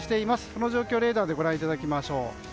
その状況をレーダーでご覧いただきましょう。